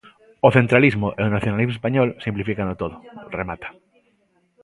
"O centralismo e o nacionalismo español simplifícano todo", remata.